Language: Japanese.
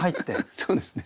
そうですね。